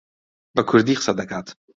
بە کوردی قسە دەکات.